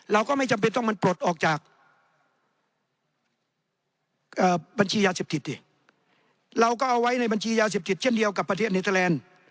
เราก็ไม่จำเป็นต้องมันปลดออกจากบัญชียาเสพติดดิเราก็เอาไว้ในบัญชียาเสพติดเช่นเดียวกับประเทศเนเทอร์แลนด์